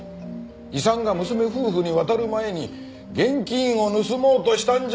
遺産が娘夫婦に渡る前に現金を盗もうとしたんじゃないのか？